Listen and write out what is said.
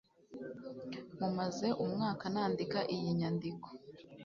Mumaze umwaka nandika iyi nyandiko.